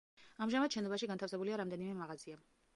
ამჟამად შენობაში განთავსებულია რამდენიმე მაღაზია.